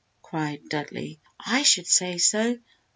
cried Dudley. "I should say so!